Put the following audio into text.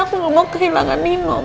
aku belum mau kehilangan nino ma